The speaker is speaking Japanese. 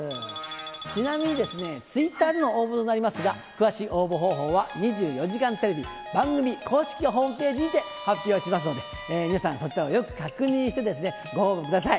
ちなみに、ツイッターでの応募となりますが、詳しい応募方法は、２４時間テレビ番組公式ホームページにて発表しますので、皆さん、そちらをよく確認して、ご応募ください。